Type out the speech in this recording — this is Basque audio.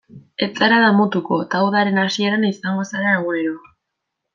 Ez zara damutuko, eta udaren hasieran izango zara egunero.